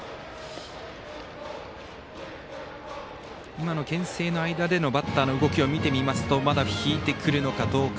今のけん制の間でのバッターの動きを見てみますとまだ引いてくるのかどうか。